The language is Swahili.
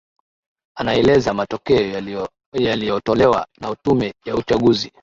anaeleza matokeo yaliotolewa na tume ya uchaguzi